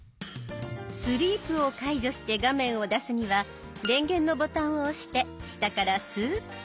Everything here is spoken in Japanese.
スリープを解除して画面を出すには電源のボタンを押して下からスーッと。